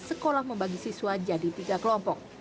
sekolah membagi siswa jadi tiga kelompok